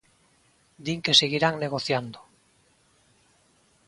Din que seguirán negociando.